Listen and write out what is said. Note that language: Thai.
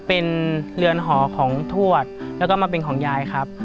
เป็นเรือนหอของทวดแล้วก็มาเป็นของยายครับ